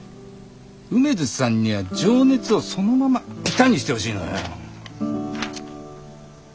梅津さんには情熱をそのまま歌にしてほしいのよ。